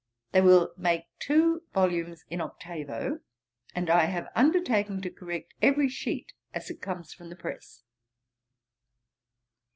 They will make two volumes in octavo; and I have undertaken to correct every sheet as it comes from the press.'